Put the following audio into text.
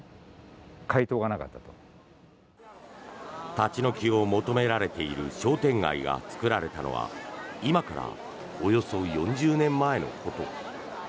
立ち退きを求められている商店街が作られたのは今からおよそ４０年前のこと。